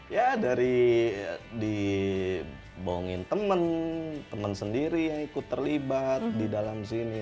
ya dari dibohongin temen temen sendiri yang ikut terlibat di dalam sini